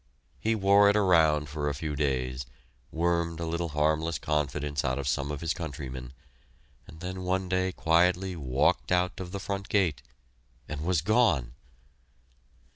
He wore it around for a few days, wormed a little harmless confidence out of some of his countrymen, and then one day quietly walked out of the front gate and was gone!